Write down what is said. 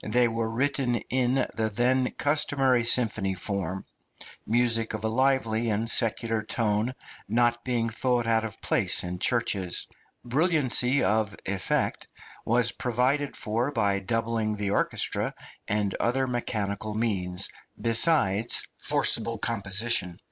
They were written in the then customary symphony form; music of a lively and secular tone not being thought out of place in churches. Brilliancy of effect was provided for by doubling the orchestra and other mechanical means, besides forcible composition.